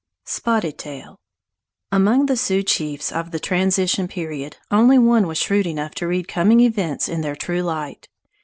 SPOTTED TAIL Among the Sioux chiefs of the "transition period" only one was shrewd enough to read coming events in their true light.